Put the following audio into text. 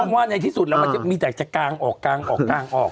มันมีแคนจะกางออกกางออกกางออก